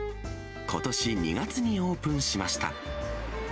ことし２月にオープンしました。